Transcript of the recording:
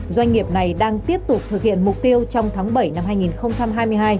doanh nghiệp này đang tiếp tục thực hiện mục tiêu trong tháng bảy năm hai nghìn hai mươi hai